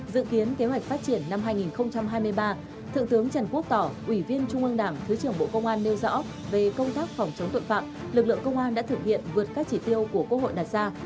trong trung ương đảng thứ trưởng bộ công an nêu rõ về công tác phòng chống tội phạm lực lượng công an đã thực hiện vượt các chỉ tiêu của quốc hội đặt ra